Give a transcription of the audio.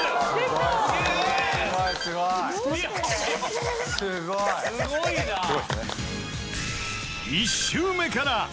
すごいな。